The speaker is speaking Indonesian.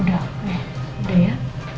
udah udah ya